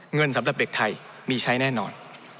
สำหรับเด็กไทยมีใช้แน่นอน